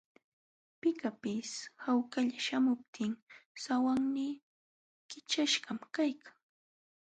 Pipaqpis hawkalla śhamuptin sawannii kićhaśhqam kaykan.